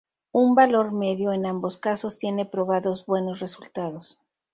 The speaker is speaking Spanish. Un valor medio, en ambos casos, tiene probados buenos resultados.